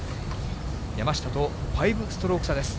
山下と５ストローク差です。